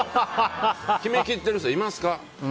決めきってる人いますか？